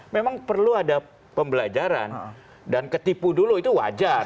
memang perlu ada pembelajaran dan ketipu dulu itu wajar